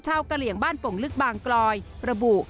กะเหลี่ยงบ้านโป่งลึกบางกลอยระบุ